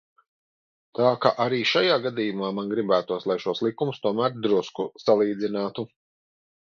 Tā ka arī šajā gadījumā man gribētos, lai šos likumus tomēr drusku salīdzinātu.